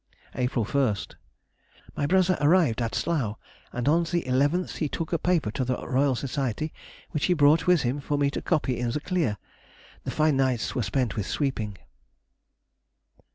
April 1st.—My brother arrived at Slough, and on the 11th he took a paper to the R. S., which he brought with him for me to copy in the clear. The fine nights were spent with sweeping.